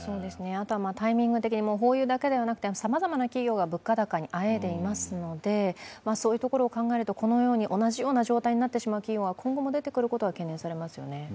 あとはタイミング的にホーユーだけでなく、さまざまな企業が物価高にあえいでいますので、そういうところを考えるとこのように同じような状態になってしまう企業が今後も出てくることが懸念されますね。